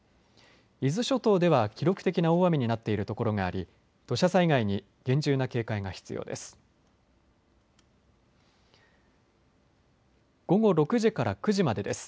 伊豆諸島では記録的な大雨になっているところがあり土砂災害に厳重な警戒が必要です。